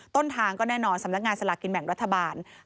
ต้นทางก็แน่นอนสำนักงานสลากินแบ่งรัฐบาล